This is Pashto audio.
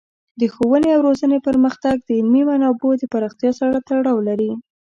د ښوونې او روزنې پرمختګ د علمي منابعو د پراختیا سره تړاو لري.